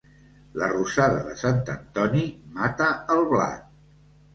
La rosada de Sant Antoni mata el blat.